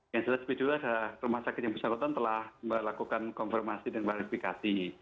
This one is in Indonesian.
yang satu sepedulnya rumah sakit yang besar kota telah melakukan konfirmasi dan verifikasi